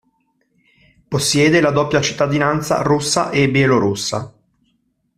Possiede la doppia cittadinanza russa e bielorussa.